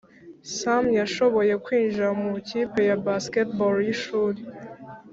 sam yashoboye kwinjira mu ikipe ya basketball yishuri.